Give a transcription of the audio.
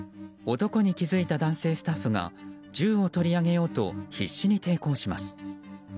男に気付いた男性スタッフが銃を取り上げようと必死に抵抗します。